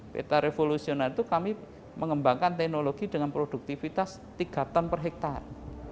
peta revolusional itu kami mengembangkan teknologi dengan produktivitas tiga ton per hektare